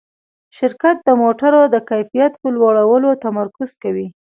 شرکت د موټرو د کیفیت په لوړولو تمرکز کوي.